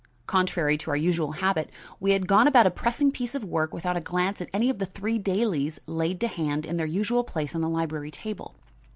Contrary to our usual habit we had gone about a pressing piece of work without a glance at any of the three dailies laid to hand in their usual place on the library table.